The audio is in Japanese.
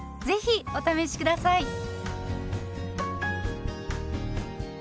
ぜひお試し下さい。